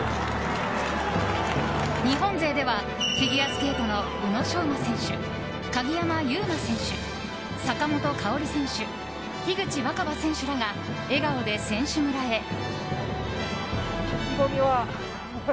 日本勢ではフィギュアスケートの宇野昌磨選手、鍵山優真選手坂本花織選手、樋口新葉選手らが笑顔で選手村へ。